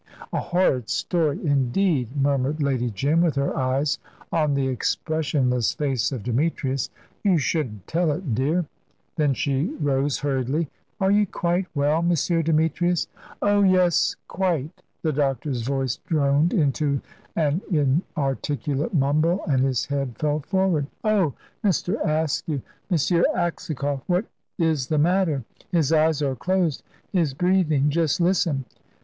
"A horrid story indeed," murmured Lady Jim, with her eyes on the expressionless face of Demetrius. "You shouldn't tell it, dear." Then she rose hurriedly: "Are you quite well, M. Demetrius?" "Oh yes quite"; the doctor's voice droned into an inarticulate mumble and his head fell forward. "Oh! Mr. Askew M. Aksakoff what it the matter? His eyes are closed; his breathing just listen!"